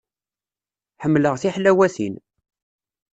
Ḥemmleɣ tiḥlawatin.